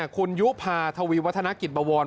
คุณยุผ่าถวีเวทนากิจบะวอน